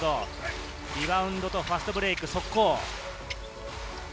リバウンドとファストブレイク、速攻。